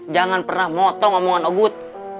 jangan pernah motong omongan ogut